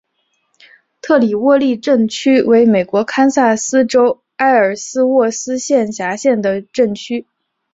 特里沃利镇区为美国堪萨斯州埃尔斯沃思县辖下的镇区。